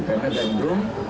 karena ada rum